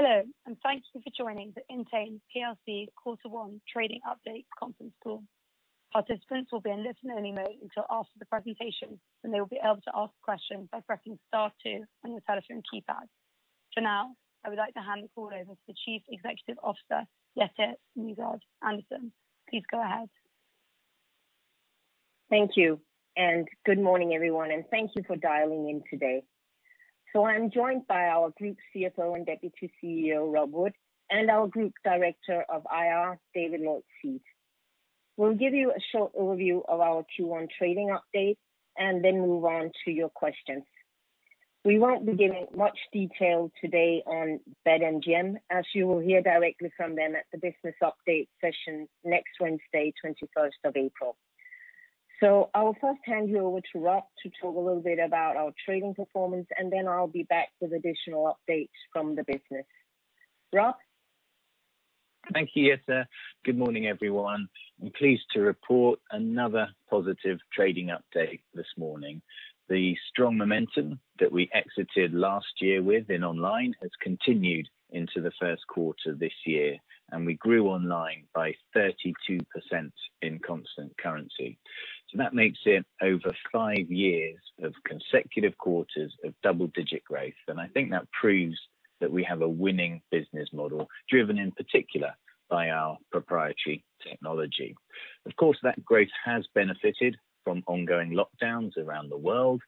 Hello, thank you for joining the Entain plc quarter one trading update conference call. Participants will be in listen-only mode until after the presentation, when they will be able to ask questions by pressing star two on your telephone keypad. For now, I would like to hand the call over to the Chief Executive Officer, Jette Nygaard-Andersen. Please go ahead. Thank you, and good morning, everyone, and thank you for dialing in today. I'm joined by our Group CFO and Deputy CEO, Rob Wood, and our Group Director of IR, David Lloyd-Seed. We'll give you a short overview of our Q1 trading update and then move on to your questions. We won't be giving much detail today on BetMGM, as you will hear directly from them at the business update session next Wednesday, 21st of April. I will first hand you over to Rob to talk a little bit about our trading performance, and then I'll be back with additional updates from the business. Rob? Thank you, Jette. Good morning, everyone. I'm pleased to report another positive trading update this morning. The strong momentum that we exited last year with in online has continued into the first quarter this year, and we grew online by 32% in constant currency. That makes it over five years of consecutive quarters of double-digit growth, and I think that proves that we have a winning business model, driven in particular by our proprietary technology. Of course, that growth has benefited from ongoing lockdowns around the world,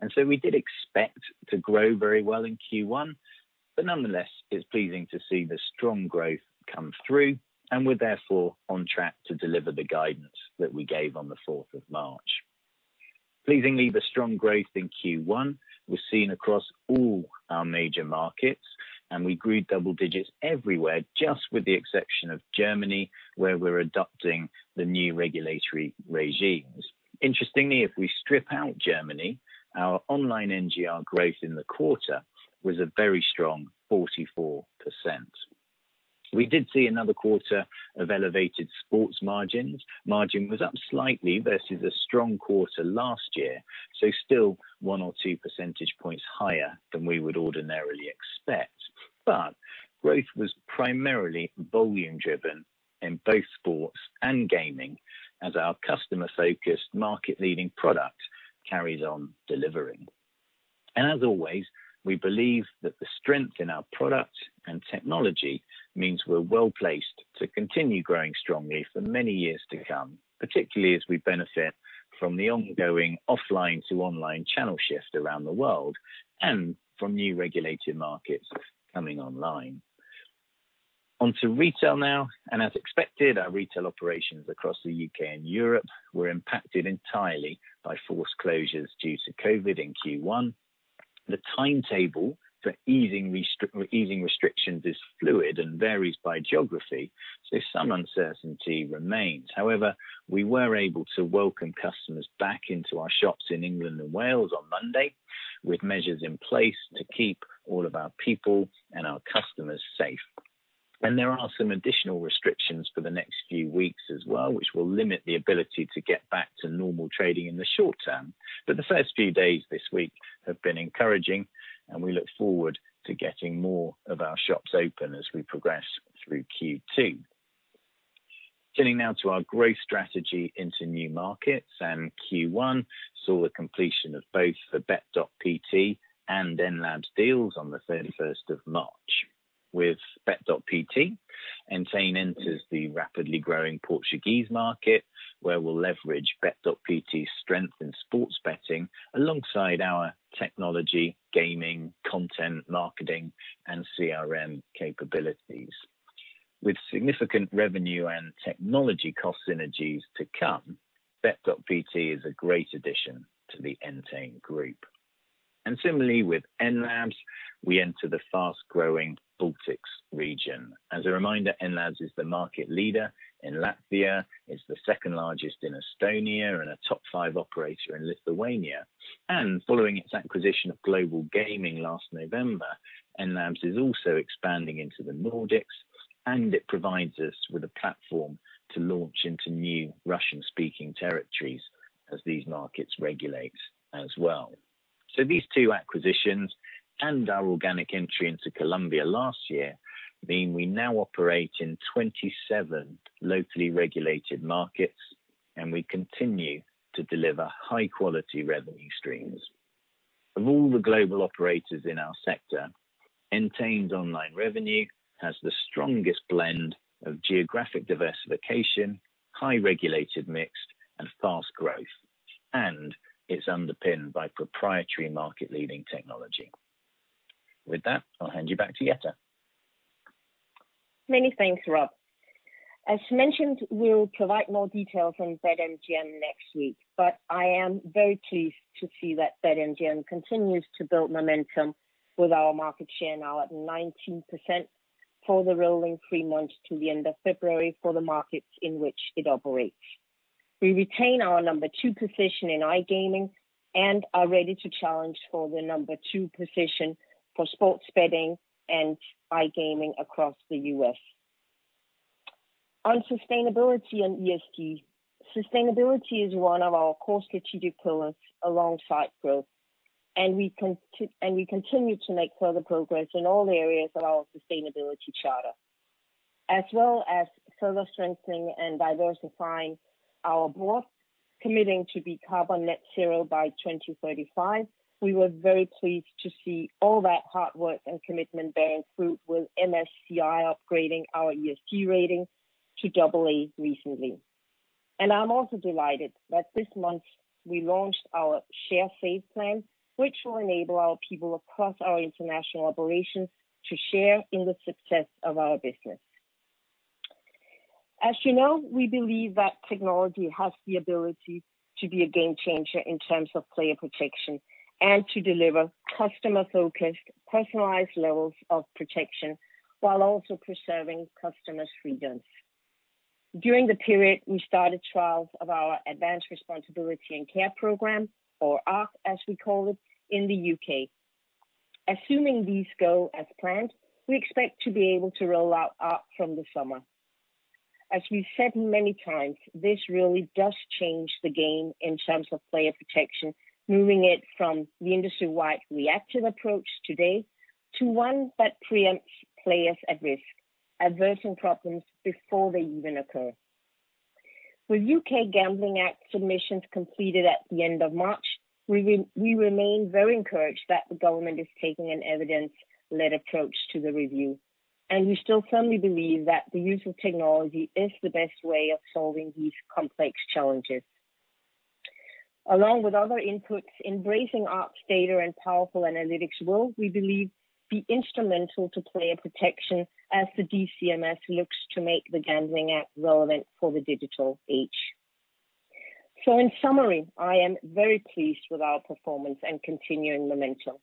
and so we did expect to grow very well in Q1. Nonetheless, it's pleasing to see the strong growth come through, and we're therefore on track to deliver the guidance that we gave on the 4th of March. Pleasingly, the strong growth in Q1 was seen across all our major markets, and we grew double digits everywhere, just with the exception of Germany, where we're adopting the new regulatory regimes. Interestingly, if we strip out Germany, our online NGR growth in the quarter was a very strong 44%. We did see another quarter of elevated sports margins. Margin was up slightly versus a strong quarter last year, so still 1 or 2 percentage points higher than we would ordinarily expect. Growth was primarily volume-driven in both sports and gaming as our customer-focused, market-leading product carries on delivering. As always, we believe that the strength in our product and technology means we're well-placed to continue growing strongly for many years to come, particularly as we benefit from the ongoing offline-to-online channel shift around the world and from new regulated markets coming online. On to retail now, as expected, our retail operations across the U.K. and Europe were impacted entirely by forced closures due to COVID in Q1. The timetable for easing restrictions is fluid and varies by geography, so some uncertainty remains. We were able to welcome customers back into our shops in England and Wales on Monday, with measures in place to keep all of our people and our customers safe. There are some additional restrictions for the next few weeks as well, which will limit the ability to get back to normal trading in the short term. The first few days this week have been encouraging, and we look forward to getting more of our shops open as we progress through Q2. Turning now to our growth strategy into new markets, Q1 saw the completion of both the Bet.pt and Enlabs deals on the 31st of March. With Bet.pt, Entain enters the rapidly growing Portuguese market, where we'll leverage Bet.pt's strength in sports betting alongside our technology, gaming, content, marketing, and CRM capabilities. With significant revenue and technology cost synergies to come, Bet.pt is a great addition to the Entain group. Similarly with Enlabs, we enter the fast-growing Baltics region. As a reminder, Enlabs is the market leader in Latvia, is the second largest in Estonia, and a top five operator in Lithuania. Following its acquisition of Global Gaming last November, Enlabs is also expanding into the Nordics, and it provides us with a platform to launch into new Russian-speaking territories as these markets regulate as well. These two acquisitions and our organic entry into Colombia last year mean we now operate in 27 locally regulated markets, and we continue to deliver high-quality revenue streams. Of all the global operators in our sector, Entain's online revenue has the strongest blend of geographic diversification, high regulated mix, and fast growth, and it's underpinned by proprietary market-leading technology. With that, I'll hand you back to Jette. Many thanks, Rob. As mentioned, we'll provide more details on BetMGM next week. I am very pleased to see that BetMGM continues to build momentum with our market share now at 19% for the rolling three months to the end of February for the markets in which it operates. We retain our number two position in iGaming and are ready to challenge for the number two position for sports betting and iGaming across the U.S. On sustainability and ESG, sustainability is one of our core strategic pillars alongside growth, and we continue to make further progress in all areas of our sustainability charter. As well as further strengthening and diversifying our board, committing to be carbon net zero by 2035, we were very pleased to see all that hard work and commitment bearing fruit with MSCI upgrading our ESG rating to AA recently. I'm also delighted that this month we launched our ShareSave plan, which will enable our people across our international operations to share in the success of our business. As you know, we believe that technology has the ability to be a game changer in terms of player protection and to deliver customer-focused, personalized levels of protection while also preserving customers' freedoms. During the period, we started trials of our Advanced Responsibility and Care program, or ARC, as we call it, in the U.K. Assuming these go as planned, we expect to be able to roll out ARC from the summer. As we've said many times, this really does change the game in terms of player protection, moving it from the industry-wide reactive approach today to one that preempts players at risk, averting problems before they even occur. With U.K. Gambling Act submissions completed at the end of March, we remain very encouraged that the government is taking an evidence-led approach to the review, and we still firmly believe that the use of technology is the best way of solving these complex challenges. Along with other inputs, embracing ARC's data and powerful analytics will, we believe, be instrumental to player protection as the DCMS looks to make the Gambling Act relevant for the digital age. In summary, I am very pleased with our performance and continuing momentum.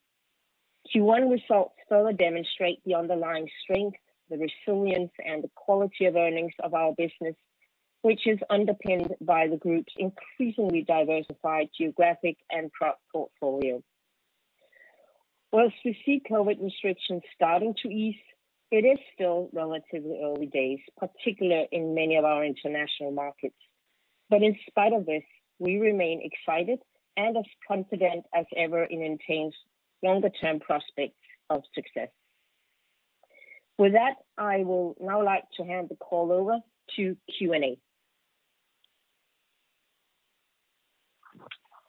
Q1 results further demonstrate the underlying strength, the resilience, and the quality of earnings of our business, which is underpinned by the group's increasingly diversified geographic and product portfolio. Whilst we see COVID restrictions starting to ease, it is still relatively early days, particularly in many of our international markets. In spite of this, we remain excited and as confident as ever in Entain's longer-term prospects of success. With that, I will now like to hand the call over to Q&A.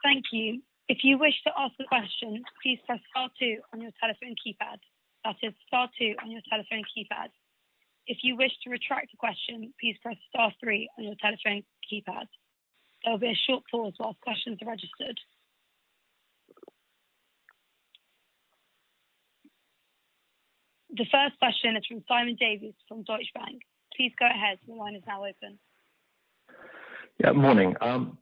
Thank you. If you wish to ask a question, please press star two on your telephone keypad. That is star two on your telephone keypad. If you wish to retract a question, please press star three on your telephone keypad. There will be a short pause while questions are registered. The first question is from Simon Davies from Deutsche Bank. Please go ahead. The line is now open. Yeah, morning.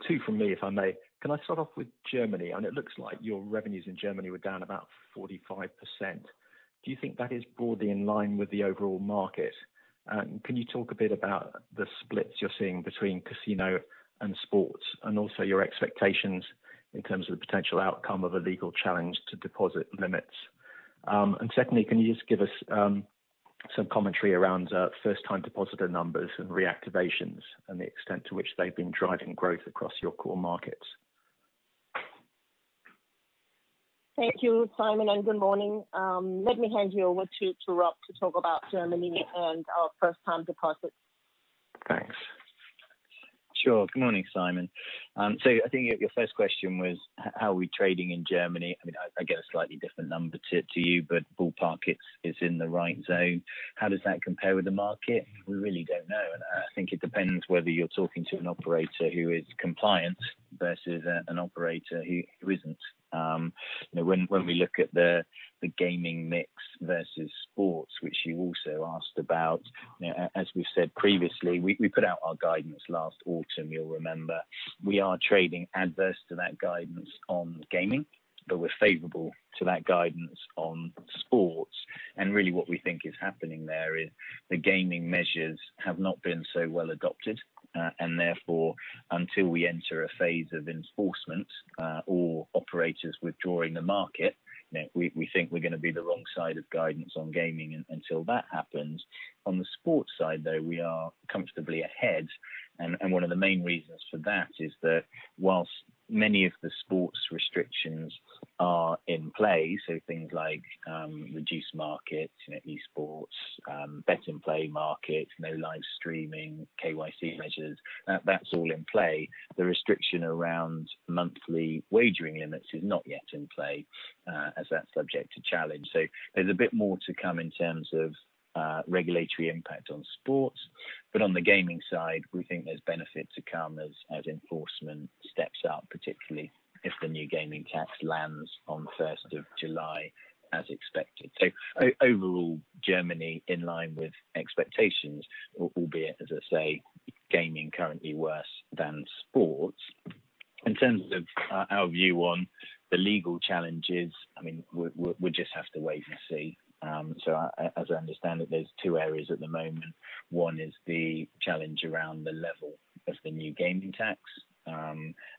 Two from me, if I may. Can I start off with Germany? It looks like your revenues in Germany were down about 45%. Do you think that is broadly in line with the overall market? Can you talk a bit about the splits you're seeing between casino and sports, and also your expectations in terms of the potential outcome of a legal challenge to deposit limits? Secondly, can you just give us some commentary around first-time depositor numbers and reactivations and the extent to which they've been driving growth across your core markets? Thank you, Simon, and good morning. Let me hand you over to Rob to talk about Germany and our first-time deposits. Thanks. Sure. Good morning, Simon. I think your first question was, how are we trading in Germany? I get a slightly different number to you, but ballpark, it's in the right zone. How does that compare with the market? We really don't know, and I think it depends whether you're talking to an operator who is compliant versus an operator who isn't. When we look at the gaming mix versus sports, which you also asked about, as we said previously, we put out our guidance last autumn, you'll remember. We are trading adverse to that guidance on gaming, but we're favorable to that guidance on sports. Really what we think is happening there is the gaming measures have not been so well adopted and therefore, until we enter a phase of enforcement or operators withdrawing the market, we think we're going to be the wrong side of guidance on gaming until that happens. On the sports side, though, we are comfortably ahead, and one of the main reasons for that is that whilst many of the sports restrictions are in play, so things like reduced markets, esports, bet in-Play markets, no live streaming, KYC measures, that's all in play. The restriction around monthly wagering limits is not yet in play, as that's subject to challenge. There's a bit more to come in terms of regulatory impact on sports. On the gaming side, we think there's benefit to come as enforcement steps up, particularly if the new gaming tax lands on the 1st of July as expected. Overall, Germany in line with expectations, albeit, as I say, gaming currently worse than sports. In terms of our view on the legal challenges, we just have to wait and see. As I understand it, there's two areas at the moment. One is the challenge around the level of the new gaming tax,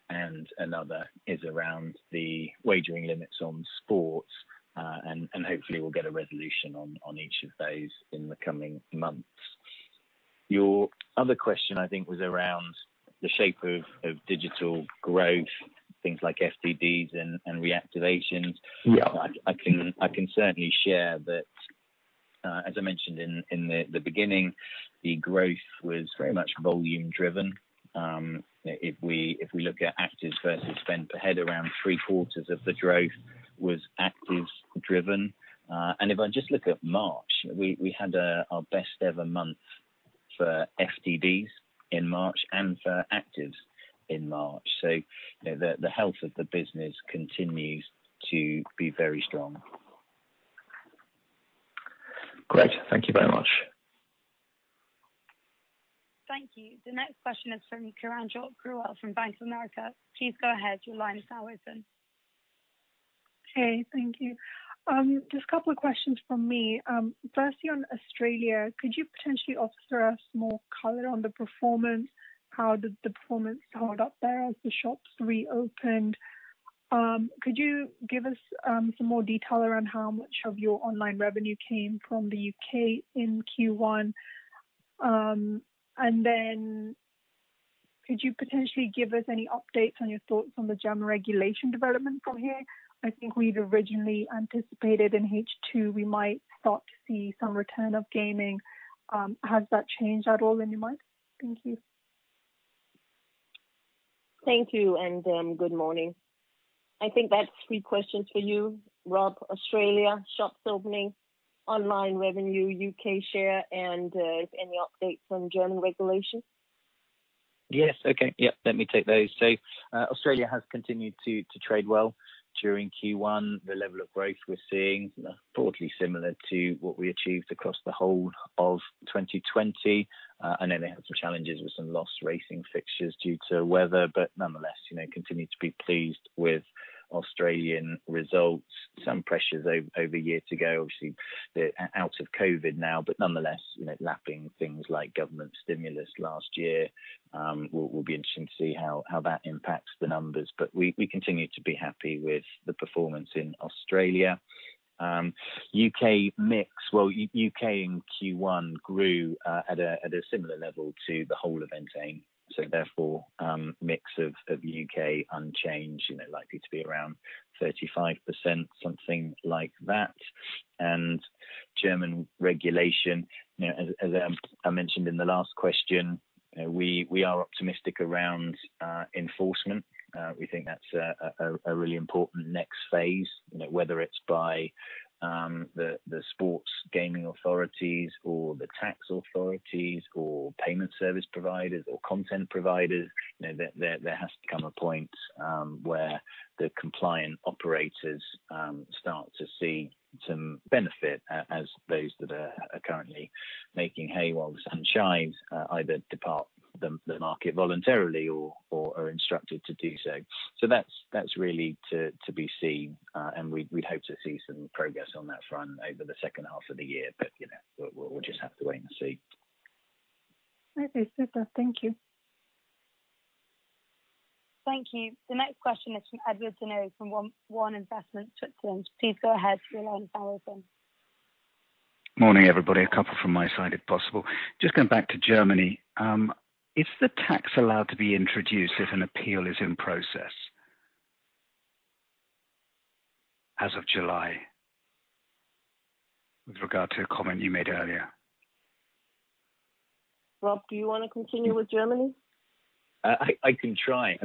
and another is around the wagering limits on sports. Hopefully we'll get a resolution on each of those in the coming months. Your other question, I think, was around the shape of digital growth, things like FTDs and reactivations. Yeah. I can certainly share that, as I mentioned in the beginning, the growth was very much volume-driven. If we look at actives versus spend per head, around three-quarters of the growth was actives-driven. If I just look at March, we had our best ever month for FTDs in March and for actives in March. The health of the business continues to be very strong. Great. Thank you very much. Thank you. The next question is from Kiranjot Grewal from Bank of America. Please go ahead. Your line is now open. Hey, thank you. Just a couple of questions from me. Firstly, on Australia, could you potentially offer us more color on the performance? How did the performance hold up there as the shops reopened? Could you give us some more detail around how much of your online revenue came from the U.K. in Q1? Could you potentially give us any updates on your thoughts on the German regulation development from here? I think we'd originally anticipated in H2, we might start to see some return of gaming. Has that changed at all in your mind? Thank you. Thank you, and good morning. I think that's three questions for you, Rob. Australia shops opening, online revenue, U.K. share, and if any updates on German regulation. Yes. Okay. Let me take those. Australia has continued to trade well during Q1. The level of growth we're seeing broadly similar to what we achieved across the whole of 2020. I know they had some challenges with some lost racing fixtures due to weather, but nonetheless, continue to be pleased with Australian results. Some pressures over a year to go, obviously, out of COVID now, but nonetheless, lapping things like government stimulus last year. It will be interesting to see how that impacts the numbers. We continue to be happy with the performance in Australia. U.K. mix, well, U.K. in Q1 grew at a similar level to the whole of Entain, so therefore, mix of U.K. unchanged, likely to be around 35%, something like that. German regulation, as I mentioned in the last question, we are optimistic around enforcement. We think that's a really important next phase, whether it's by the sports gaming authorities or the tax authorities or payment service providers or content providers. There has to come a point where the compliant operators start to see some benefit as those that are currently making hay while the sun shines either depart the market voluntarily or are instructed to do so. That's really to be seen, and we'd hope to see some progress on that front over the second half of the year. We'll just have to wait and see. Okay. Super. Thank you. Thank you. The next question is from Edward Donoghue from One Investment. Please go ahead. Morning, everybody. A couple from my side, if possible. Just going back to Germany, is the tax allowed to be introduced if an appeal is in process as of July with regard to a comment you made earlier? Rob, do you want to continue with Germany? I can try.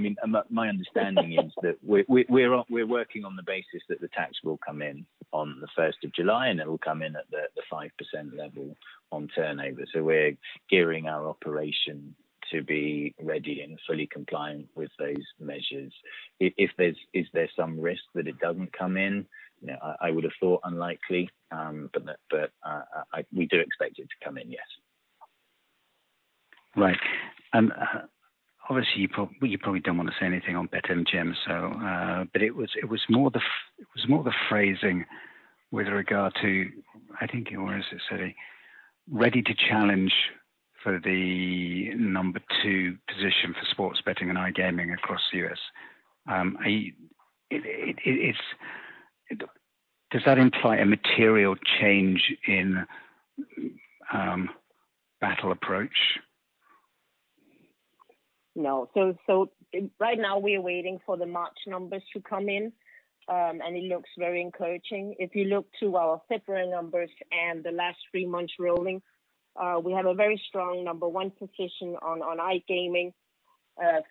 My understanding is that we're working on the basis that the tax will come in on the 1st of July, and it will come in at the 5% level on turnover. We're gearing our operation to be ready and fully compliant with those measures. Is there some risk that it doesn't come in? I would have thought unlikely, but we do expect it to come in, yes. Right. Obviously, you probably don't want to say anything on BetMGM, but it was more the phrasing with regard to, I think you also said, ready to challenge for the number two position for sports betting and iGaming across the U.S. Does that imply a material change in battle approach? No. Right now we're waiting for the March numbers to come in, and it looks very encouraging. If you look to our February numbers and the last three months rolling, we have a very strong number one position on iGaming.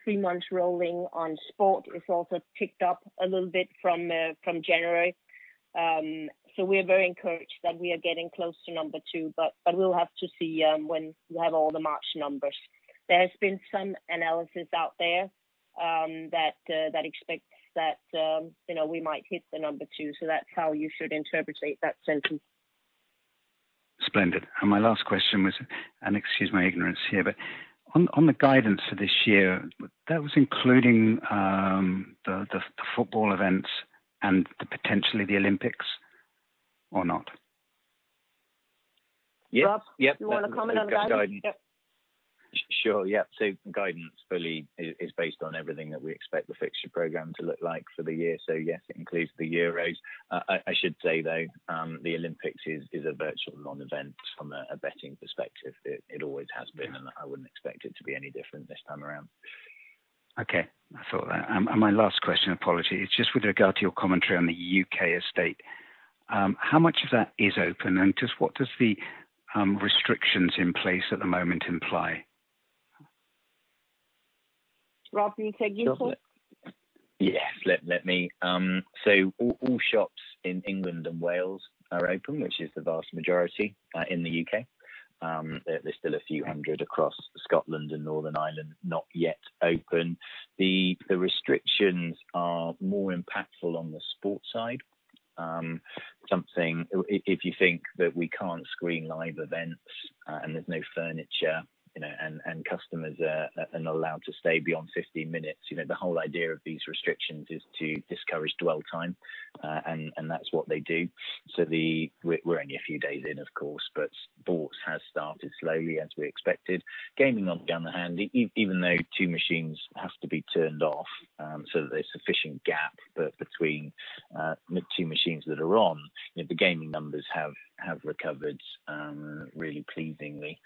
Three months rolling on sport is also picked up a little bit from January. We're very encouraged that we are getting close to number two, but we'll have to see when we have all the March numbers. There has been some analysis out there that expects that we might hit the number two, so that's how you should interpret that sentence. Splendid. My last question was, and excuse my ignorance here, but on the guidance for this year, that was including the football events and potentially the Olympics, or not? Yes. Rob, you want to comment on that? Sure. Guidance fully is based on everything that we expect the fixture program to look like for the year. Yes, it includes the Euros. I should say, though, the Olympics is a virtual non-event from a betting perspective. It always has been, and I wouldn't expect it to be any different this time around. Okay. I thought that. My last question, apologies, just with regard to your commentary on the U.K. estate. How much of that is open, and what does the restrictions in place at the moment imply? Rob, can you take this one? Yes. All shops in England and Wales are open, which is the vast majority in the U.K. There's still a few hundred across Scotland and Northern Ireland not yet open. The restrictions are more impactful on the sports side. If you think that we can't screen live events and there's no furniture, and customers aren't allowed to stay beyond 15 minutes, the whole idea of these restrictions is to discourage dwell time, and that's what they do. We're only a few days in, of course, but sports has started slowly as we expected. Gaming, on the other hand, even though two machines have to be turned off so that there's sufficient gap between the two machines that are on, the gaming numbers have recovered really pleasingly.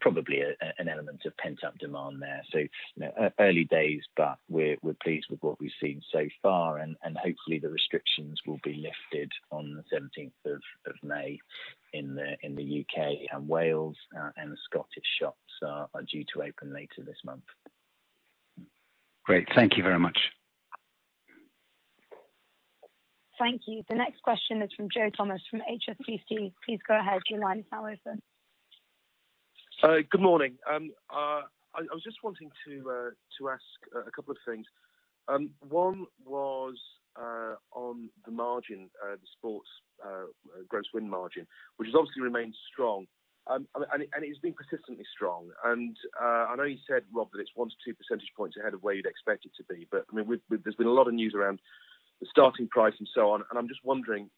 Probably an element of pent-up demand there. Early days, but we're pleased with what we've seen so far. Hopefully the restrictions will be lifted on the 17th of May in the U.K. and Wales. The Scottish shops are due to open later this month. Great. Thank you very much. Thank you. The next question is from Joe Thomas of HSBC. Please go ahead. Good morning. I was just wanting to ask a couple of things. One was on the margin, the sports gross win margin, which has obviously remained strong. It has been consistently strong. I know you said, Rob, that it's one to two percentage points ahead of where you'd expect it to be. There's been a lot of news around the starting price and so on, and I'm just wondering,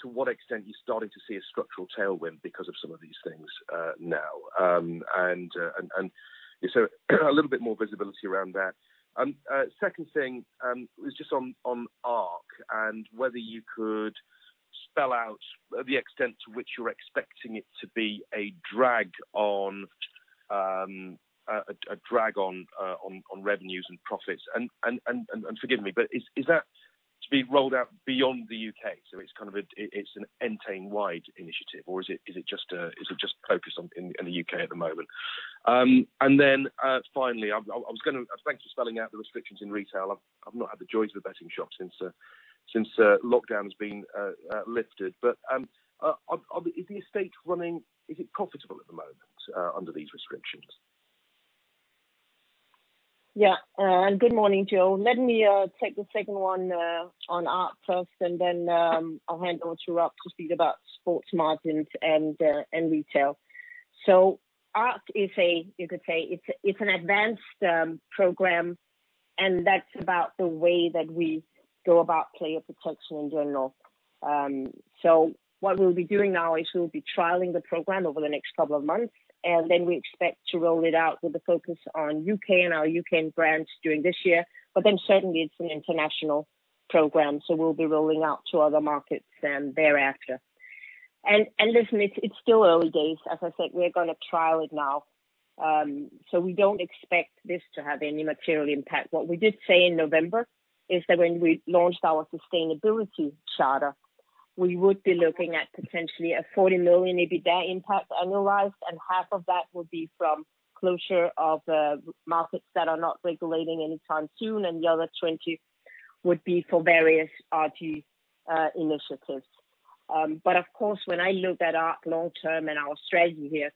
to what extent you're starting to see a structural tailwind because of some of these things now. A little bit more visibility around that. Second thing was just on ARC and whether you could spell out the extent to which you're expecting it to be a drag on revenues and profits. Forgive me, is that to be rolled out beyond the U.K.? It's an Entain-wide initiative, or is it just focused in the U.K. at the moment? Finally, thanks for spelling out the restrictions in retail. I've not had the joy of the betting shop since lockdown has been lifted. Is the estate running, is it profitable at the moment under these restrictions? Good morning, Joe. Let me take the second one on ARC first, and then I'll hand over to Rob to speak about sports margins and retail. ARC, you could say it's an advanced program, and that's about the way that we go about player protection in general. What we'll be doing now is we'll be trialing the program over the next couple of months, and then we expect to roll it out with a focus on U.K. and our U.K. brands during this year. Certainly it's an international program, so we'll be rolling out to other markets thereafter. Listen, it's still early days. As I said, we're going to trial it now. We don't expect this to have any material impact. What we did say in November is that when we launched our Sustainability Charter, we would be looking at potentially a 40 million EBITDA impact annualized. Half of that would be from closure of markets that are not regulating anytime soon, the other 20 million would be for various RG initiatives. Of course, when I look at ARC long term and our strategy here,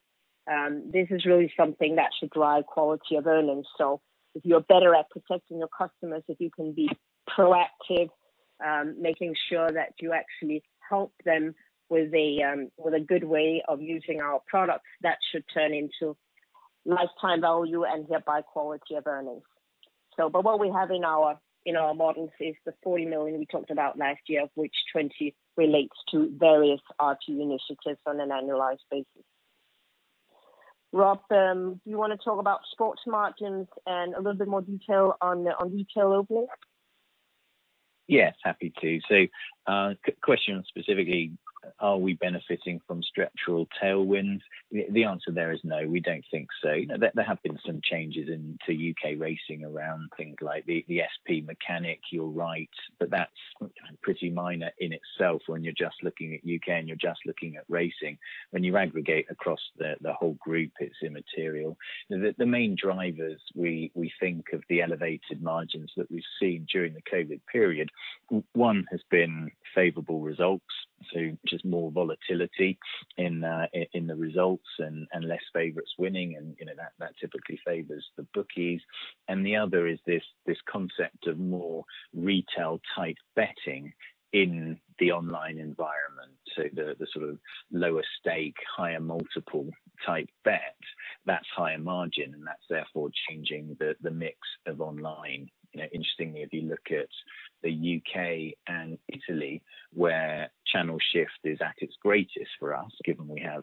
this is really something that should drive quality of earnings. If you're better at protecting your customers, if you can be proactive, making sure that you actually help them with a good way of using our products, that should turn into lifetime value and thereby quality of earnings. What we have in our models is the 40 million we talked about last year, of which 20 million relates to various RG initiatives on an annualized basis. Rob, do you want to talk about sports margins and a little bit more detail on retail openings? Yes, happy to. Question specifically, are we benefiting from structural tailwinds? The answer there is no, we don't think so. There have been some changes into U.K. racing around things like the SP mechanic. You're right. That's pretty minor in itself when you're just looking at U.K. and you're just looking at racing. When you aggregate across the whole group, it's immaterial. The main drivers we think of the elevated margins that we've seen during the COVID period, one has been favorable results, just more volatility in the results and less favorites winning, that typically favors the bookies. The other is this concept of more retail-type betting in the online environment. The sort of lower stake, higher multiple type bet. That's higher margin, that's therefore changing the mix of online. Interestingly, if you look at the U.K. and Italy, where channel shift is at its greatest for us, given we have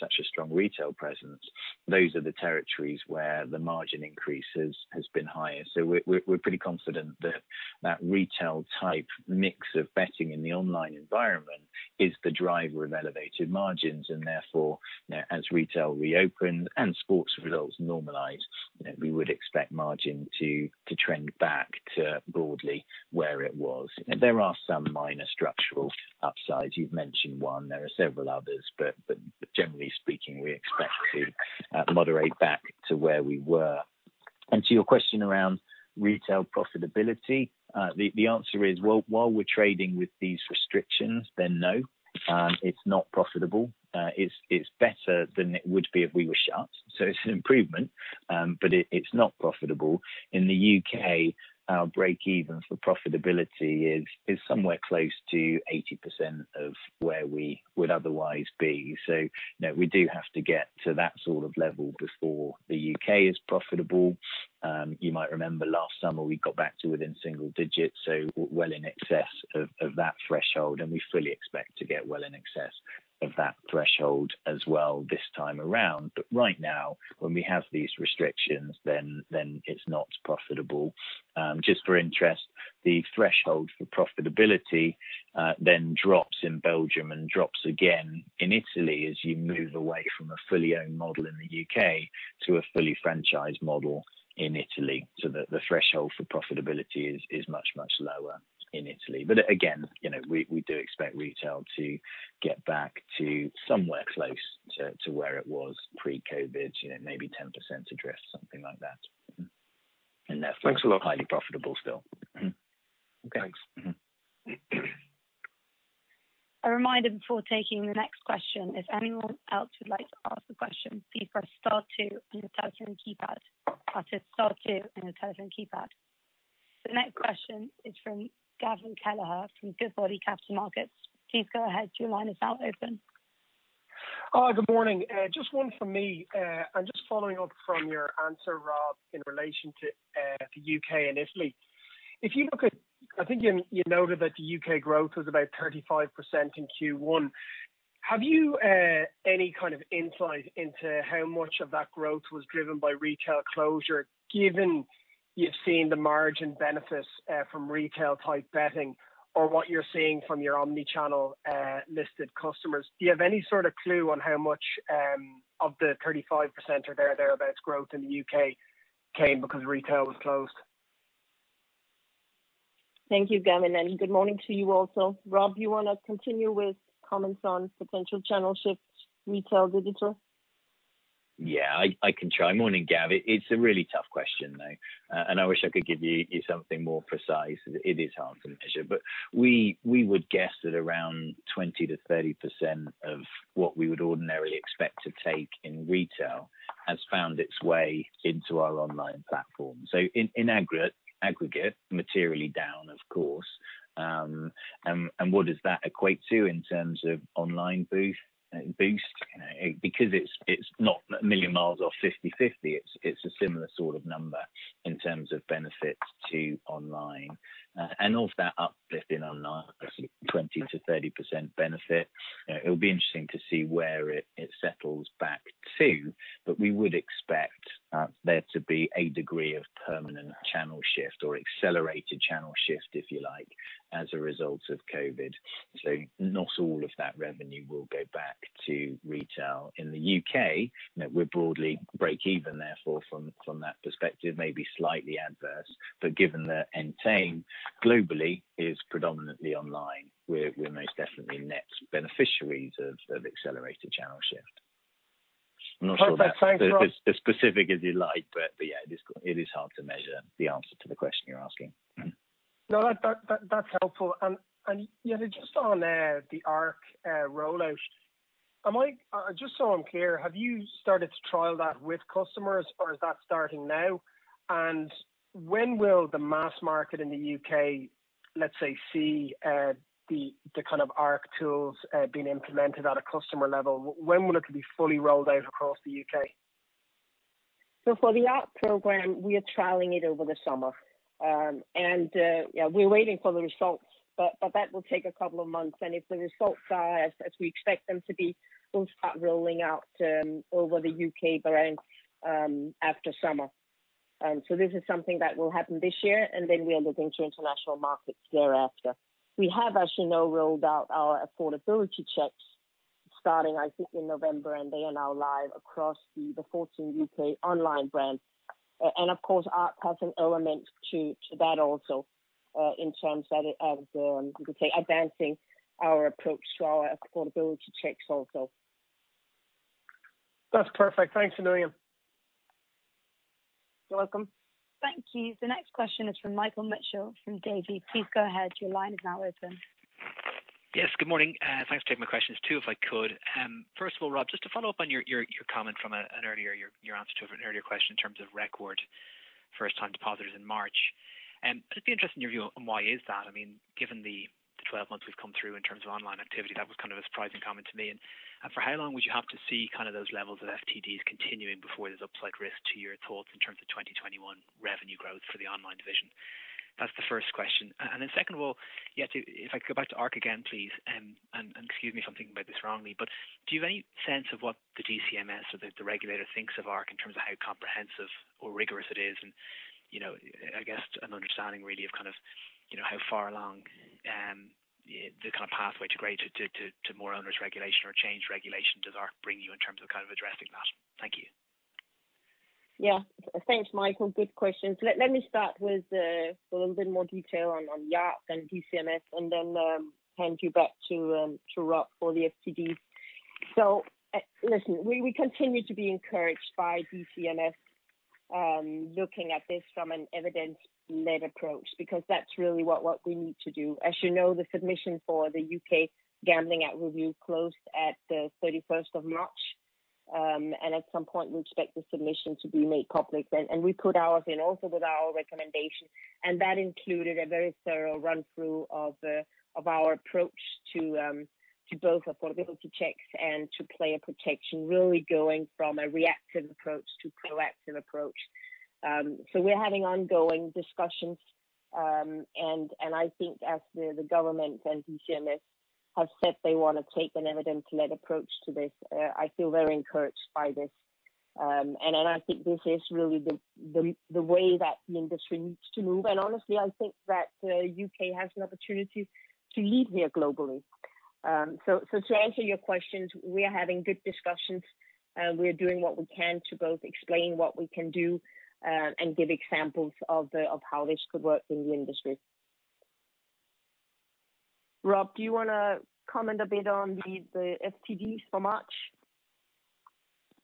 such a strong retail presence, those are the territories where the margin increases has been higher. We're pretty confident that that retail-type mix of betting in the online environment is the driver of elevated margins, and therefore, as retail reopen and sports results normalize, we would expect margin to trend back to broadly where it was. There are some minor structural upsides. You've mentioned one. There are several others, but generally speaking, we expect to moderate back to where we were. To your question around retail profitability, the answer is, well, while we're trading with these restrictions, then no, it's not profitable. It's better than it would be if we were shut. It's an improvement, but it's not profitable. In the U.K., our break-evens for profitability is somewhere close to 80% of where we would otherwise be. We do have to get to that sort of level before the U.K. is profitable. You might remember last summer, we got back to within single digits, so well in excess of that threshold, and we fully expect to get well in excess of that threshold as well this time around. Right now, when we have these restrictions, then it's not profitable. Just for interest, the threshold for profitability then drops in Belgium and drops again in Italy as you move away from a fully owned model in the U.K. to a fully franchised model in Italy so that the threshold for profitability is much, much lower in Italy. Again, we do expect retail to get back to somewhere close to where it was pre-COVID, maybe 10% [less], something like that. Thanks a lot. Therefore, highly profitable still. Okay, thanks. A reminder before taking the next question. If anyone else would like to ask a question, please press star two on your telephone keypad. That is star two on your telephone keypad. The next question is from Gavin Kelleher from Goodbody Capital Markets. Please go ahead, your line is now open. Hi, good morning. Just one from me. I'm just following up from your answer, Rob, in relation to the U.K. and Italy. I think you noted that the U.K. growth was about 35% in Q1. Have you any kind of insight into how much of that growth was driven by retail closure, given you've seen the margin benefits from retail-type betting or what you're seeing from your omni-channel listed customers? Do you have any sort of clue on how much of the 35% or thereabouts growth in the U.K. came because retail was closed? Thank you, Gavin, and good morning to you also. Rob, you want to continue with comments on potential channel shift retail digital? Yeah, I can try. Morning, Gavin. It's a really tough question, though, and I wish I could give you something more precise. It is hard to measure, but we would guess that around 20%-30% of what we would ordinarily expect to take in retail has found its way into our online platform. In aggregate, materially down, of course. What does that equate to in terms of online boost? It's not a million miles off 50/50. It's a similar sort of number in terms of benefit to online. Of that uplift in online, 20%-30% benefit, it'll be interesting to see where it settles back to, but we would expect there to be a degree of permanent channel shift or accelerated channel shift, if you like, as a result of COVID. Not all of that revenue will go back to retail in the UK. We're broadly break-even therefore from that perspective, maybe slightly adverse. Given that Entain globally is predominantly online, we're most definitely net beneficiaries of accelerated channel shift. Perfect. Thanks, Rob. That's as specific as you like, but yeah, it is hard to measure the answer to the question you're asking. No, that's helpful. Yeah, just on the ARC rollout, just so I'm clear, have you started to trial that with customers, or is that starting now? When will the mass market in the U.K., let's say, see the kind of ARC tools being implemented at a customer level? When will it be fully rolled out across the U.K.? For the ARC program, we are trialing it over the summer. Yeah, we're waiting for the results, but that will take a couple of months. If the results are as we expect them to be, we'll start rolling out over the U.K. brand after summer. This is something that will happen this year, and then we are looking to international markets thereafter. We have, as you know, rolled out our affordability checks starting, I think, in November, and they are now live across the 14 U.K. online brands. Of course, ARC has an element to that also, in terms of, you could say advancing our approach to our affordability checks also. That's perfect. Thanks a million. You're welcome. Thank you. The next question is from Michael Mitchell from Davy. Please go ahead. Your line is now open. Yes, good morning. Thanks for taking my questions. Two if i could. First of all, Rob, just to follow up on your comment from an earlier question in terms of record first time depositors in March. Just be interested in your view on why is that, given the 12 months we've come through in terms of online activity, that was a surprising comment to me. For how long would you have to see those levels of FTDs continuing before there's upside risk to your thoughts in terms of 2021 revenue growth for the online division? That's the first question. Second of all, if I could go back to ARC again, please, and excuse me if I'm thinking about this wrongly, but do you have any sense of what the DCMS or the regulator thinks of ARC in terms of how comprehensive or rigorous it is? I guess an understanding really of how far along the pathway to more onerous regulation or changed regulation does ARC bring you in terms of addressing that? Thank you. Thanks, Michael. Good questions. Let me start with a little bit more detail on ARC and DCMS and then hand you back to Rob for the FTDs. Listen, we continue to be encouraged by DCMS looking at this from an evidence-led approach, because that's really what we need to do. As you know, the submission for the U.K. Gambling Act review closed on the 31st of March. At some point, we expect the submission to be made public. We put ours in also with our recommendation, and that included a very thorough run-through of our approach to both affordability checks and to player protection, really going from a reactive approach to proactive approach. We're having ongoing discussions, I think as the government and DCMS have said they want to take an evidence-led approach to this, I feel very encouraged by this. I think this is really the way that the industry needs to move. Honestly, I think that U.K. has an opportunity to lead here globally. To answer your questions, we are having good discussions. We are doing what we can to both explain what we can do and give examples of how this could work in the industry. Rob, do you want to comment a bit on the FTDs for March?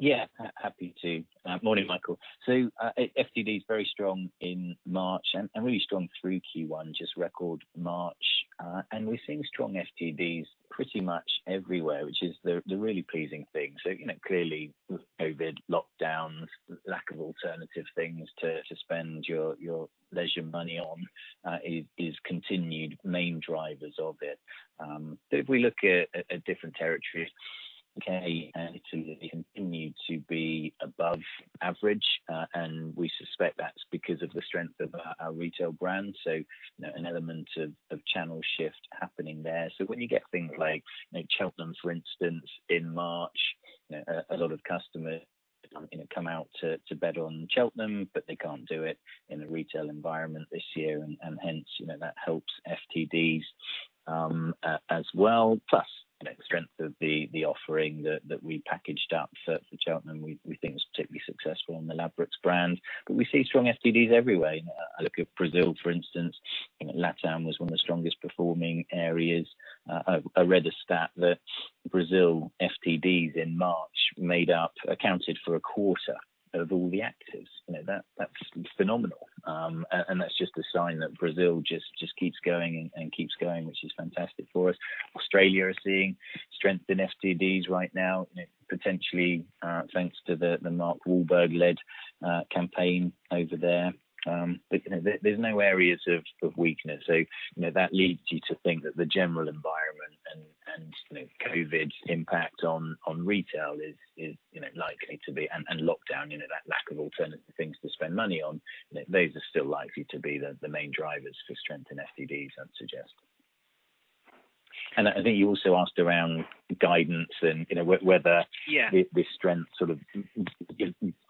Yeah, happy to. Morning, Michael. FTD is very strong in March and really strong through Q1, just record March. We're seeing strong FTDs pretty much everywhere, which is the really pleasing thing. Clearly with COVID lockdowns, lack of alternative things to spend your leisure money on, is continued main drivers of it. If we look at different territories, U.K. continue to be above average, and we suspect that's because of the strength of our retail brand. An element of channel shift happening there. When you get things like Cheltenham, for instance, in March, a lot of customers come out to bet on Cheltenham, but they can't do it in a retail environment this year, and hence, that helps FTDs as well. Plus, the strength of the offering that we packaged up for Cheltenham, we think was particularly successful on the Ladbrokes brand. We see strong FTDs everywhere. Look at Brazil, for instance. LATAM was one of the strongest-performing areas. I read a stat that Brazil FTDs in March accounted for a quarter of all the actives. That's phenomenal. That's just a sign that Brazil just keeps going and keeps going, which is fantastic for us. Australia is seeing strength in FTDs right now, potentially thanks to the Mark Wahlberg-led campaign over there. There's no areas of weakness. That leads you to think that the general environment and COVID's impact on retail and lockdown, that lack of alternative things to spend money on, those are still likely to be the main drivers for strength in FTDs, I'd suggest. I think you also asked around guidance and whether- Yeah This strength sort of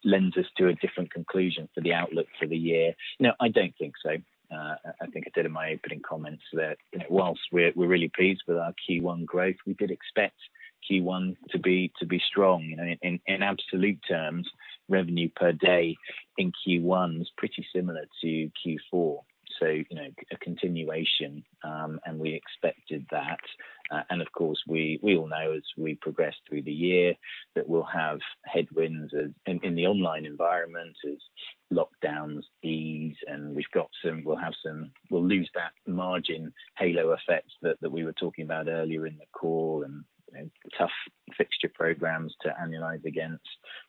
lends us to a different conclusion for the outlook for the year. I don't think so. I think I said in my opening comments that while we're really pleased with our Q1 growth, we did expect Q1 to be strong. In absolute terms, revenue per day in Q1 was pretty similar to Q4, so a continuation, and we expected that. Of course, we all know as we progress through the year that we'll have headwinds in the online environment as lockdowns ease and we'll lose that margin halo effect that we were talking about earlier in the call and tough fixture programs to annualize against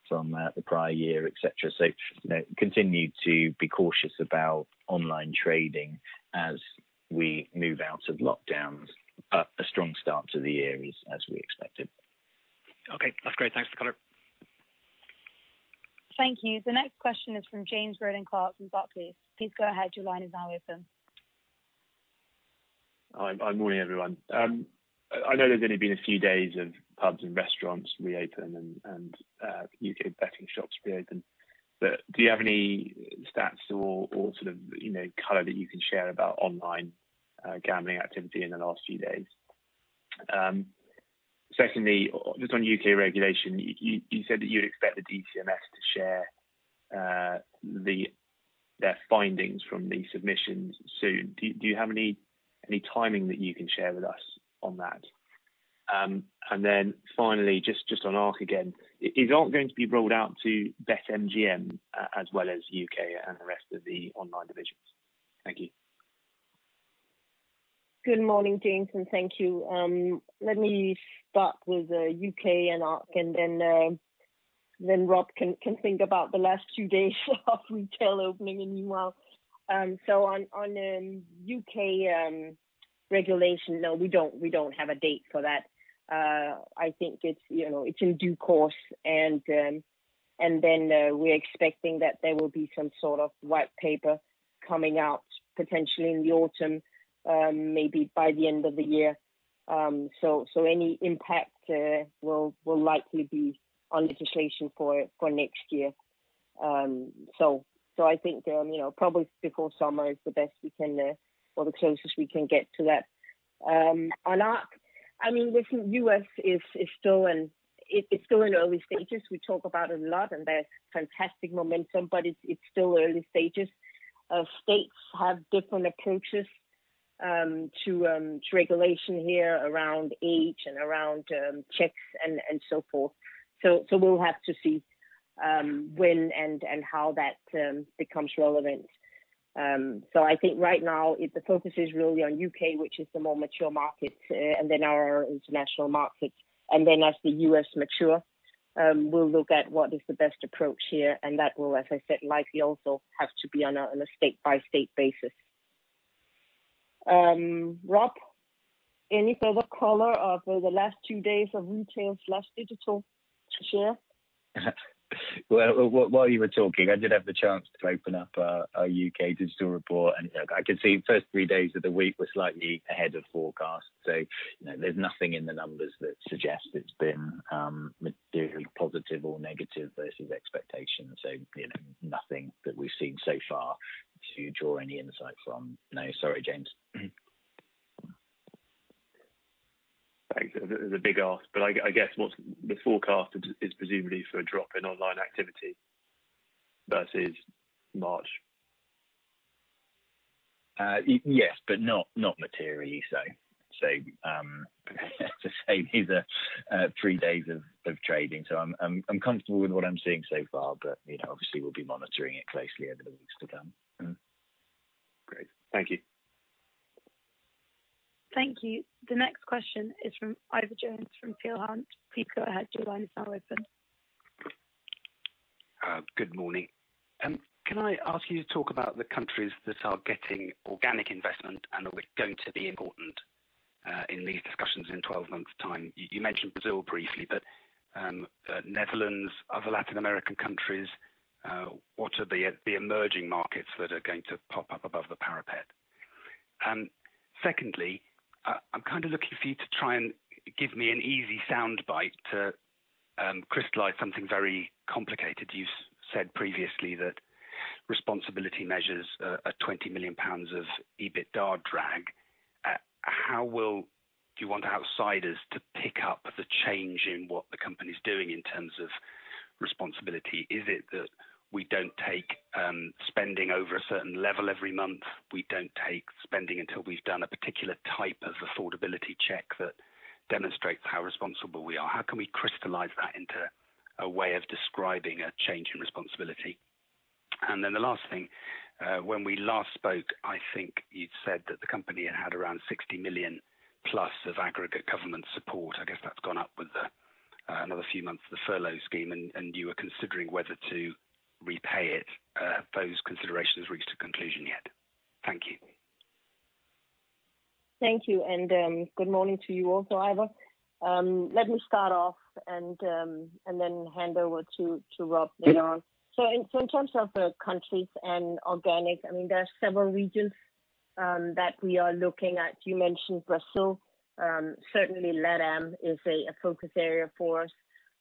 from the prior year, et cetera. Continue to be cautious about online trading as we move out of lockdowns. A strong start to the year as we expected. Okay. That's great. Thanks for the color. Thank you. The next question is from James Rowland Clark from Barclays. Please go ahead. Hi, morning everyone. I know there's only been a few days of pubs and restaurants reopen and U.K. betting shops reopen, but do you have any stats or sort of color that you can share about online gambling activity in the last few days? Secondly, just on U.K. regulation, you said that you'd expect the DCMS to share their findings from the submissions soon. Do you have any timing that you can share with us on that? Finally, just on ARC again, is ARC going to be rolled out to BetMGM as well as U.K. and the rest of the online divisions? Thank you. Good morning, James. Thank you. Let me start with U.K. and ARC, and then Rob can think about the last two days of retail opening in the U.S. On U.K. regulation, no, we don't have a date for that. I think it's in due course, and then we're expecting that there will be some sort of white paper coming out potentially in the autumn, maybe by the end of the year. Any impact will likely be on legislation for next year. I think, probably before summer is the best we can or the closest we can get to that. On ARC, I think U.S. it's still in early stages. We talk about a lot, and there's fantastic momentum, but it's still early stages. States have different approaches to regulation here around age and around checks and so forth. We'll have to see when and how that becomes relevant. I think right now, the focus is really on U.K., which is the more mature market, and then our international markets. As the U.S. mature, we'll look at what is the best approach here, and that will, as I said, likely also have to be on a state-by-state basis. Rob, any further color over the last two days of retail/digital to share? While you were talking, I did have the chance to open up our U.K. digital report, and I could see the first three days of the week were slightly ahead of forecast. There's nothing in the numbers that suggests it's been materially positive or negative versus expectations. Nothing that we've seen so far to draw any insight from. No, sorry, James. Thanks. That was a big ask, but I guess what's the forecast is presumably for a drop in online activity versus March. Yes, but not materially so. To say these are three days of trading. I'm comfortable with what I'm seeing so far. Obviously we'll be monitoring it closely over the weeks to come. Great. Thank you. Thank you. The next question is from Ivor Jones from Peel Hunt. Please go ahead. Good morning. Can I ask you to talk about the countries that are getting organic investment and are going to be important in these discussions in 12 months' time? You mentioned Brazil briefly, but Netherlands, other Latin American countries, what are the emerging markets that are going to pop up above the parapet? I am kind of looking for you to try and give me an easy soundbite to crystallize something very complicated. You said previously that responsibility measures are 20 million pounds of EBITDA drag. How will you want outsiders to pick up the change in what the company's doing in terms of responsibility? Is it that we don't take spending over a certain level every month? We don't take spending until we've done a particular type of affordability check that demonstrates how responsible we are. How can we crystallize that into a way of describing a change in responsibility? The last thing, when we last spoke, I think you'd said that the company had had around 60 million+ of aggregate government support. I guess that's gone up with another few months of the furlough scheme, and you were considering whether to repay it. Have those considerations reached a conclusion yet? Thank you. Thank you, and good morning to you also, Ivor. Let me start off and then hand over to Rob later on. In terms of the countries and organic, there are several regions that we are looking at. You mentioned Brazil. Certainly LATAM is a focus area for us.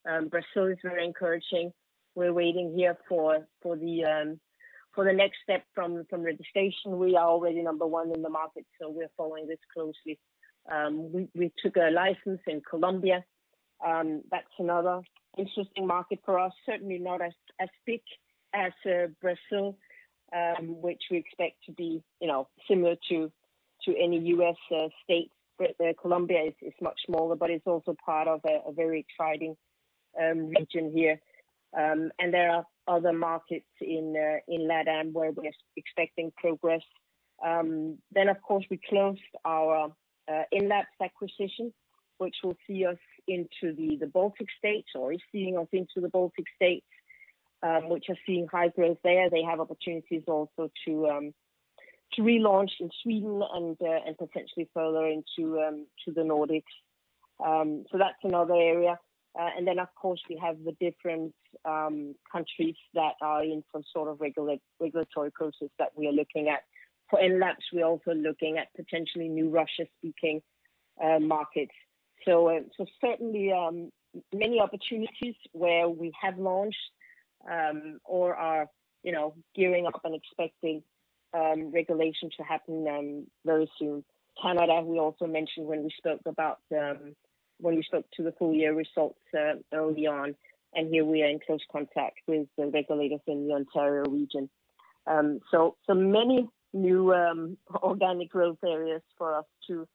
Brazil is very encouraging. We're waiting here for the next step from regulation. We are already number 1 in the market, so we are following this closely. We took a license in Colombia. That's another interesting market for us, certainly not as big as Brazil, which we expect to be similar to any U.S. state. Colombia is much smaller, but it's also part of a very exciting region here. There are other markets in LATAM where we're expecting progress. Of course, we closed our Enlabs acquisition, which will see us into the Baltic States or is seeing us into the Baltic States, which are seeing high growth there. They have opportunities also to relaunch in Sweden and potentially further into the Nordics. That's another area. Of course, we have the different countries that are in some sort of regulatory process that we are looking at. For Enlabs, we're also looking at potentially new Russian-speaking markets. Certainly many opportunities where we have launched or are gearing up and expecting regulation to happen very soon. Canada, we also mentioned when we spoke to the full-year results early on, and here we are in close contact with the regulators in the Ontario region. Many new organic growth areas for us to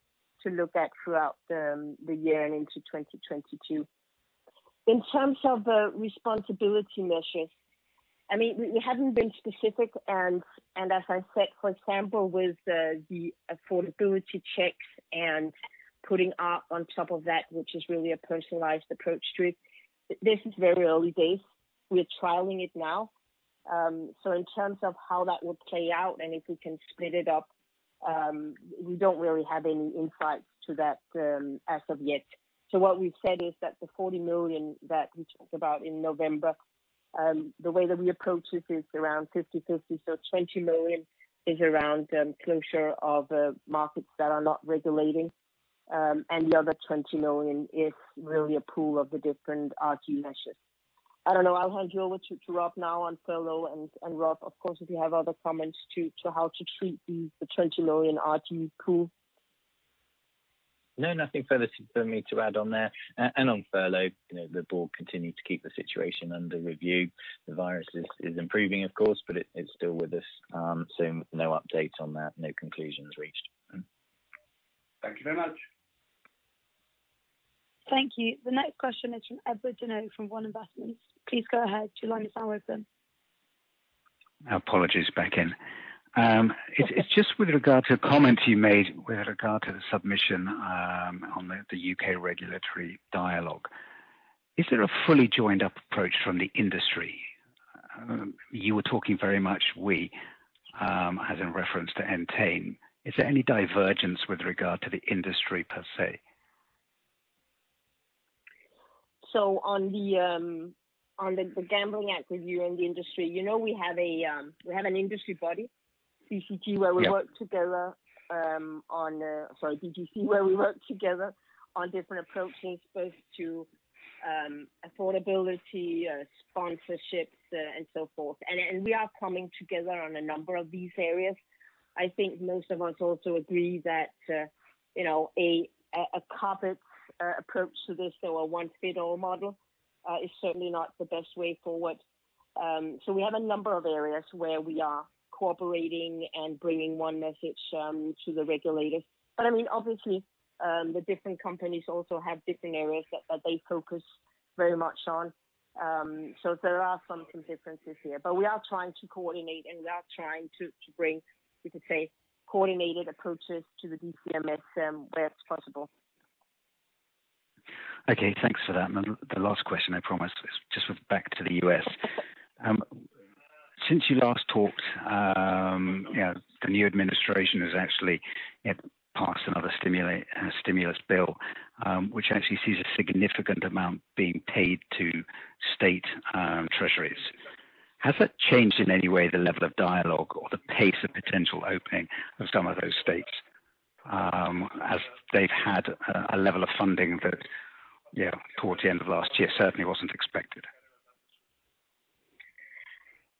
look at throughout the year and into 2022. In terms of the responsibility measures, we haven't been specific and as I said, for example, with the affordability checks and putting ARC on top of that, which is really a personalized approach to it. This is very early days. We're trialing it now. In terms of how that would play out and if we can split it up, we don't really have any insights to that as of yet. What we've said is that the 40 million that we talked about in November, the way that we approach this is around 50/50. 20 million is around closure of markets that are not regulating, and the other 20 million is really a pool of the different RG measures. I don't know, I'll hand you over to Rob now on furlough and Rob, of course, if you have other comments too, to how to treat the 20 million RG pool. No, nothing further for me to add on there. On furlough, the board continued to keep the situation under review. The virus is improving, of course, but it's still with us. No updates on that, no conclusions reached. Thank you very much. Thank you. The next question is from Edward Donoghue from One Investments. Please go ahead. Apologies. Back in. It is just with regard to a comment you made with regard to the submission on the U.K. regulatory dialogue. Is there a fully joined-up approach from the industry? You were talking very much we, as in reference to Entain. Is there any divergence with regard to the industry per se? On the Gambling Act review and the industry, you know we have an industry body? Yeah BGC where we work together on, sorry, BGC, where we work together on different approaches, both to affordability, sponsorships, and so forth. We are coming together on a number of these areas. I think most of us also agree that a carpet approach to this or a one-fit-all model is certainly not the best way forward. We have a number of areas where we are cooperating and bringing one message to the regulators. Obviously, the different companies also have different areas that they focus very much on. There are some differences here. We are trying to coordinate and we are trying to bring, you could say, coordinated approaches to the DCMS where it's possible. Okay. Thanks for that. The last question, I promise, is just back to the U.S. Since you last talked, the new administration has actually passed another stimulus bill, which actually sees a significant amount being paid to state treasuries. Has that changed in any way the level of dialogue or the pace of potential opening of some of those states, as they've had a level of funding that towards the end of last year certainly wasn't expected?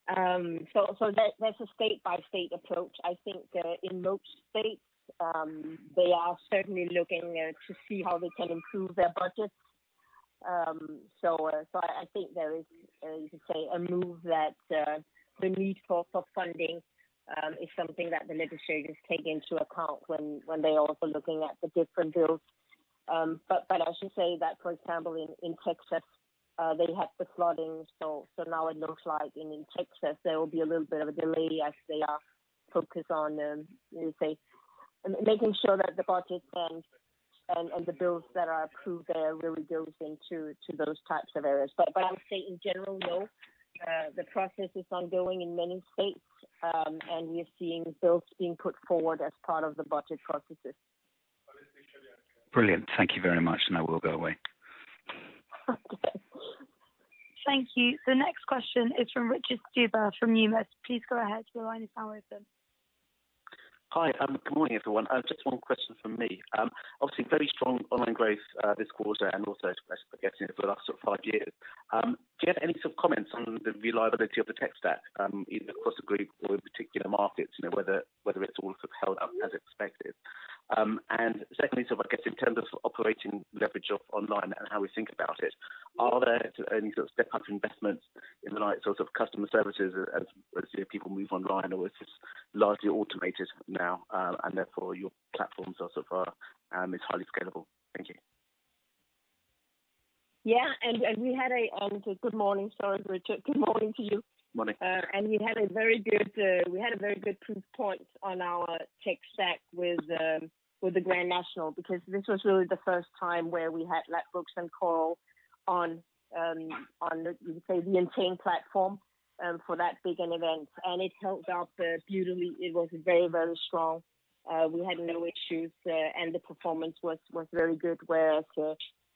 That's a state-by-state approach. I think that in most states, they are certainly looking to see how they can improve their budgets. I think there is, you could say, a move that the need for funding is something that the legislators take into account when they are also looking at the different bills. I should say that, for example, in Texas, they had the flooding, so now it looks like in Texas there will be a little bit of a delay as they are focused on making sure that the budget and the bills that are approved there really builds into those types of areas. I would say in general, no, the process is ongoing in many states, and we are seeing bills being put forward as part of the budget processes. Brilliant. Thank you very much. I will go away. Thank you. The next question is from Richard Stuber from Numis. Please go ahead. Hi. Good morning, everyone. Just one question from me. Obviously, very strong online growth this quarter and also for getting it for the last sort of five years. Do you have any sort of comments on the reliability of the tech stack either across the group or in particular markets, whether it's all held up as expected? Secondly, I guess in terms of operating leverage of online and how we think about it, are there any sort of step-up investments in the right sort of customer services as people move online, or it's just largely automated now and therefore your platforms are so far is highly scalable? Thank you. Yeah, good morning. Sorry, Richard. Good morning to you. Morning. We had a very good proof point on our tech stack with the Grand National, because this was really the first time where we had Ladbrokes and Coral on the Entain platform for that big an event, and it held up beautifully. It was very, very strong. We had no issues there, and the performance was very good, whereas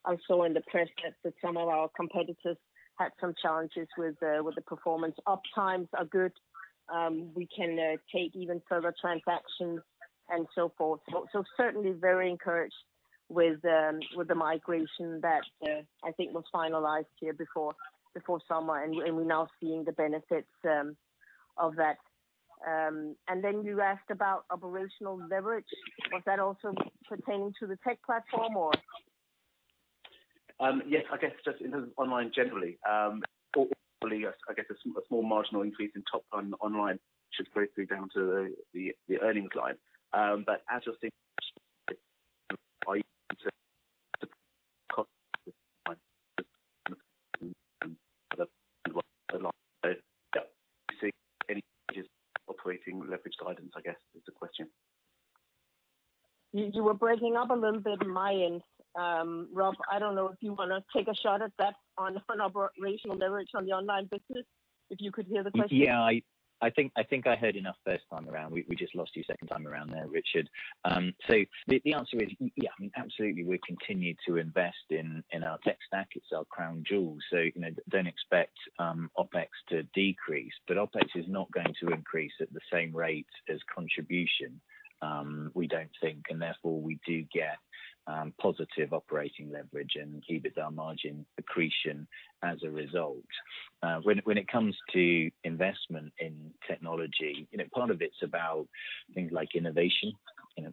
also in the press that some of our competitors had some challenges with the performance. Up times are good. We can take even further transactions and so forth. Certainly very encouraged with the migration that I think was finalized here before summer, and we're now seeing the benefits of that. You asked about operational leverage. Was that also pertaining to the tech platform or? I guess just in terms of online generally. Hopefully, I guess a small marginal increase in top line online should break through down to the earnings line. As you're seeing operating leverage guidance, I guess is the question. You were breaking up a little bit on my end, Rob. I don't know if you want to take a shot at that on operational leverage on the online business, if you could hear the question. Yeah. I think I heard enough first time around. We just lost you second time around there, Richard. The answer is, yeah. Absolutely, we've continued to invest in our tech stack. It's our crown jewel. Don't expect OpEx to decrease. OpEx is not going to increase at the same rate as contribution, we don't think, and therefore, we do get positive operating leverage and EBITDA margin accretion as a result. When it comes to investment in technology, part of it's about things like innovation,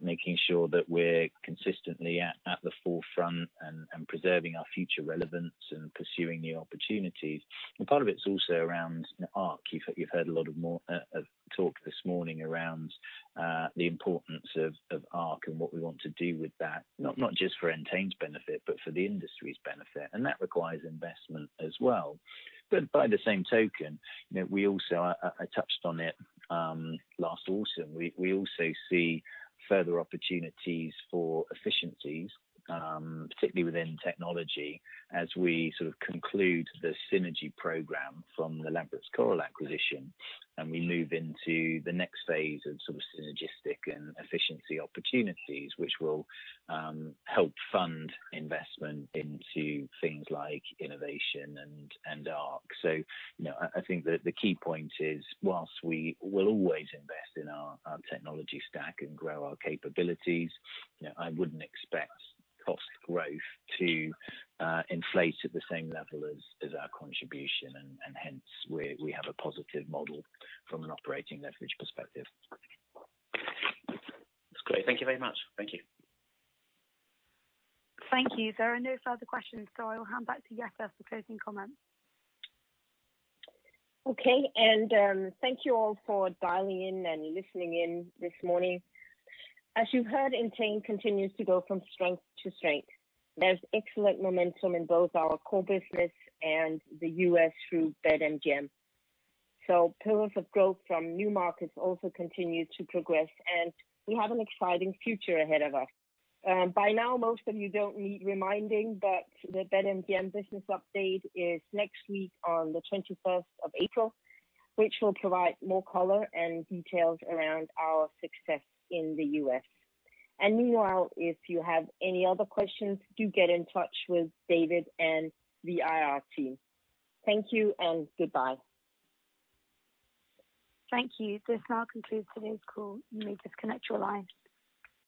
making sure that we're consistently at the forefront and preserving our future relevance and pursuing new opportunities. Part of it's also around ARC. You've heard a lot of talk this morning around the importance of ARC and what we want to do with that, not just for Entain's benefit, but for the industry's benefit. That requires investment as well. By the same token, I touched on it last autumn, we also see further opportunities for efficiencies, particularly within technology, as we sort of conclude the synergy program from the Ladbrokes Coral acquisition and we move into the next phase of sort of synergistic and efficiency opportunities, which will help fund investment into things like innovation and ARC. I think that the key point is whilst we will always invest in our technology stack and grow our capabilities, I wouldn't expect cost growth to inflate at the same level as our contribution, and hence, we have a positive model from an operating leverage perspective. That's great. Thank you very much. Thank you. Thank you. There are no further questions, so I will hand back to Jette for closing comments. Okay. Thank you all for dialing in and listening in this morning. As you heard, Entain continues to go from strength to strength. There's excellent momentum in both our core business and the U.S. through BetMGM. Pillars of growth from new markets also continue to progress, and we have an exciting future ahead of us. By now, most of you don't need reminding, but the BetMGM business update is next week on the 21st of April, which will provide more color and details around our success in the U.S. Meanwhile, if you have any other questions, do get in touch with David and the IR team. Thank you and goodbye. Thank you. This now concludes today's call. You may disconnect your line.